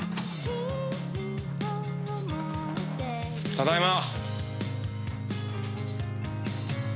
ただいま！